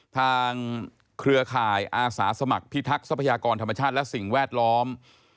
เครือข่ายอาสาสมัครพิทักษ์ทรัพยากรธรรมชาติและสิ่งแวดล้อม